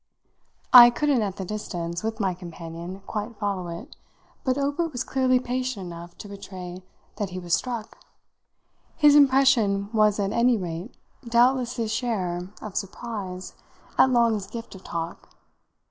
I couldn't, at the distance, with my companion, quite follow it, but Obert was clearly patient enough to betray that he was struck. His impression was at any rate doubtless his share of surprise at Long's gift of talk.